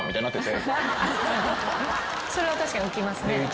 それは確かに浮きますね。